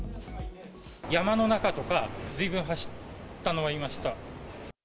山の中とか、ずいぶん走ったのがいました。